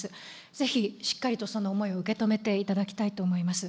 ぜひ、しっかりとその思いを受け止めていただきたいと思います。